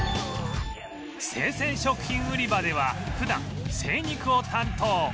生鮮食品売り場では普段精肉を担当